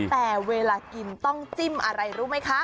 แต่เวลากินต้องจิ้มอะไรรู้ไหมคะ